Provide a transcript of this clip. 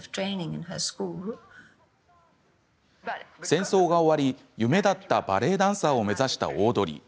戦争が終わり、夢だったバレエダンサーを目指したオードリー。